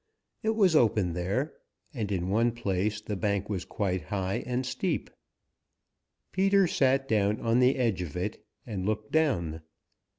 It was open there, and in one place the bank was quite high and steep. Peter sat down on the edge of it and looked down.